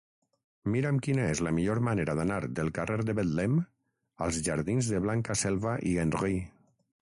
Mira'm quina és la millor manera d'anar del carrer de Betlem als jardins de Blanca Selva i Henry.